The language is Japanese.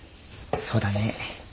そうだね。